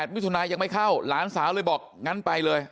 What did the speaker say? มิถุนายยังไม่เข้าหลานสาวเลยบอกงั้นไปเลย